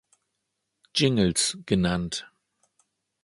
Jingles" genannt.